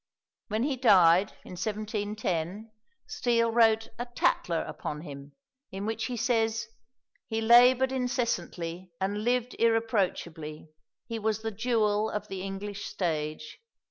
When he died, in 1710, Steele wrote a "Tatler" upon him, in which he says "he laboured incessantly, and lived irreproachably. He was the jewel of the English stage."